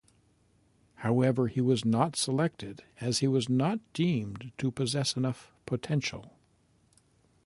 However, he was not selected as he was not deemed to possess enough potential.